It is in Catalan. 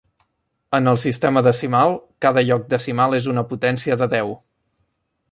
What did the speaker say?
En el sistema decimal, cada lloc decimal és una potència de deu.